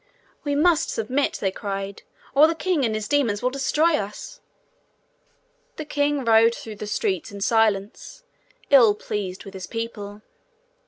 'We must submit,' they cried, 'or the king and his demons will destroy us.' The king rode through the streets in silence, ill pleased with his people.